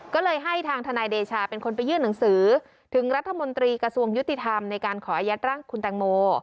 ก็เลยให้ทางทนายเดชาเป็นคนไปยื่นหนังสือถึงรัฐมนตรีกระทรวงยุติธรรมในการขออายัดร่างคุณแตงโม